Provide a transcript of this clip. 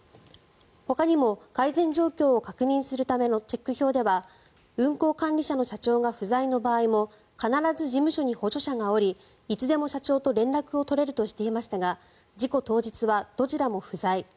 ほかにも改善状況を確認するためのチェック表では運航管理者の社長が不在の場合でも必ず事務所に補助者がおりいつでも社長と連絡が取れるとしていましたが事故当日はどちらも不在。